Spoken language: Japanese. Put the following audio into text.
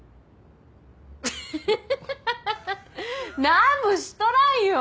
何もしとらんよ。